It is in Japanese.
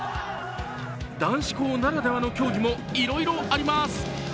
男子校ならではの競技もいろいろあります。